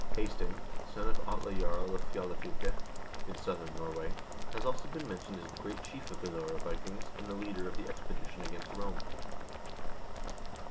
1 Hasting, son of Atle Jarl of Fjalafylke, in southern Norway, has already been mentioned as the great chief of the Loire Vikings and the leader of the expedition against Rome.